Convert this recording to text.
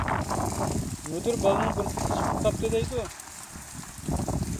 مۇدىر بالىنىڭ بىر پۇتى چىقىپ قاپتۇ دەيدۇ!